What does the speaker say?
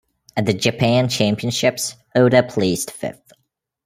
At the Japan Championships, Ota placed fifth.